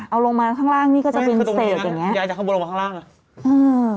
เอาลงมาข้างล่างนี่ก็จะเป็นเศษแบบเนี้ยอยากจะข้างบนลงมาข้างล่างล่ะเออ